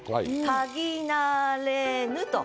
「嗅ぎ慣れぬ」と。